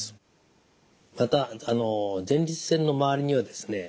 また前立腺の周りにはですね